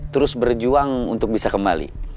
terus berjuang untuk bisa kembali